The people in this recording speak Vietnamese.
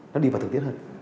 nó đi vào thực tiết hơn